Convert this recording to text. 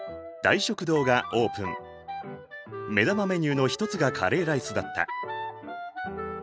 目玉メニューの一つがカレーライスだった。